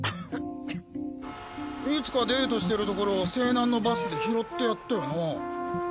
いつかデートしてるところを勢南のバスで拾ってやったよな。